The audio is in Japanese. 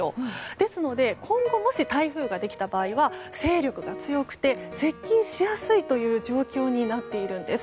ですので今後もし台風ができた場合は勢力が強くて接近しやすい状況になっているんです。